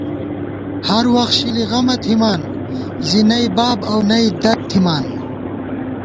ہروخت شِلی غمہ تھِمان زی نئ باب اؤ نئ دَد تھِمان